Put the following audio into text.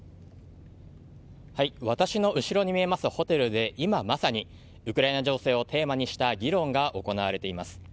私の後ろに見えますホテルで今まさにウクライナ情勢をテーマにした議論が行われています。